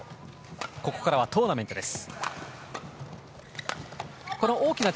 ここからはトーナメントです。